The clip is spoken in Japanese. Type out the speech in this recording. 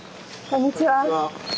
こんにちは。